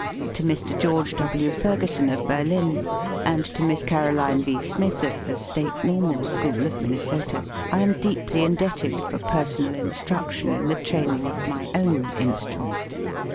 To Mr. George W. Ferguson of Berlin, and to Miss Caroline V. Smith of the State Normal School of Minnesota, I am deeply indebted for per sonal instruction in the training of my own instrument.